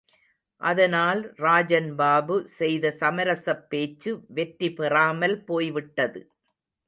அதனால், ராஜன் பாபு செய்த சமரசப் பேச்சு வெற்றி பெறாமல் போய்விட்டது.